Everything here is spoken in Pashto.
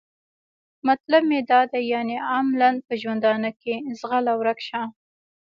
مطلب مې دا دی یعنې عملاً په ژوندانه کې؟ ځغله ورک شه.